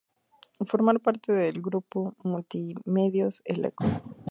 Forma parte del grupo Multimedios El Eco.